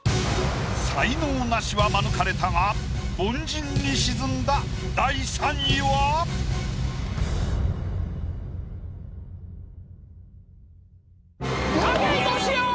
才能ナシは免れたが凡人に沈んだ筧利夫！